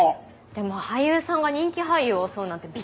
でも俳優さんが人気俳優を襲うなんてびっくり。